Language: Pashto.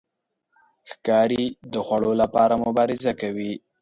ښکاري د خوړو لپاره مبارزه کوي.